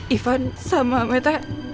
ivan sama meta